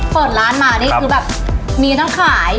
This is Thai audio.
เปิดร้านมาก่อนนี้คือแบบมีจะต้องขาย